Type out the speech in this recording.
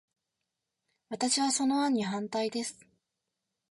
私は、その案に反対です。